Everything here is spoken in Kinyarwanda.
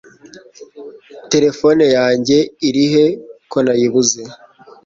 Terefone yanjye iri he konayibuze?